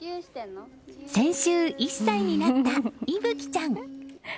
先週、１歳になった依蕗ちゃん。